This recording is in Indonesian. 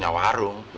ya udah bang